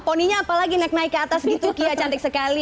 pony nya apalagi naik naik ke atas gitu kia cantik sekali